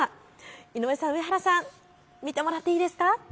井上さん、上原さん、見てもらっていいですか？